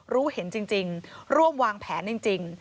รู้เห็นจริงร่วมวางแผนจริง